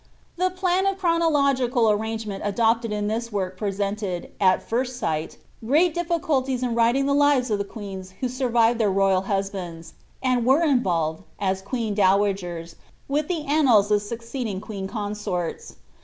The plan of chronological arrangement adopted in this work pre ■enied, at £rsl sight. ^ reat difficulties in writing the lives of querns who survived their royal husbands, and were involved, as queen^dow egers, with the annals of succeeding queen con so ris.